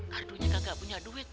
kardunnya kagak punya duit